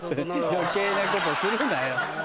余計なことするなよ。